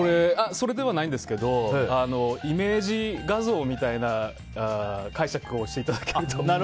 それではないんですけどイメージ画像みたいな解釈をしていただけると。